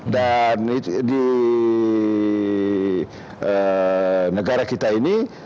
dan di negara kita ini